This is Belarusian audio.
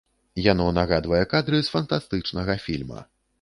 Яно нагадвае кадры з фантастычнага фільма.